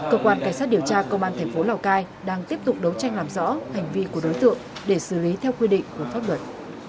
cơ quan cảnh sát điều tra công an thành phố lào cai đang tiếp tục đấu tranh làm rõ hành vi của đối tượng để xử lý theo quy định của pháp luật